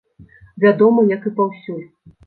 Вядома, як і паўсюль.